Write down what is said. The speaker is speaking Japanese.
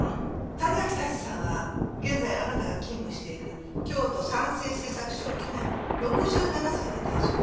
谷垣泰治さんは現在あなたが勤務している京都サンセイ製作所を去年６７歳で退職している。